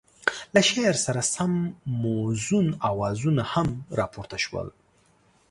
له شعر سره سم موزون اوازونه هم را پورته شول.